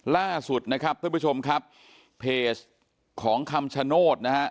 ล่าสุดนะครับท่านผู้ชมครับเพจของคำชโนธนะฮะ